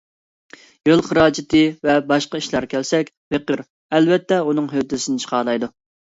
يول خىراجىتى ۋە باشقا ئىشلارغا كەلسەك، پېقىر ئەلۋەتتە ئۇنىڭ ھۆددىسىدىن چىقالايدۇ.